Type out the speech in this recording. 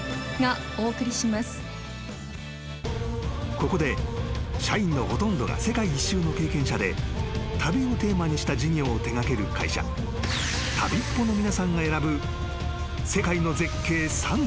［ここで社員のほとんどが世界一周の経験者で旅をテーマにした事業を手掛ける会社ＴＡＢＩＰＰＯの皆さんが選ぶ世界の絶景３選］